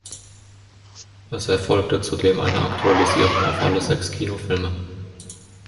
Es erfolgte zudem eine Aktualisierung auf alle sechs Kinofilme.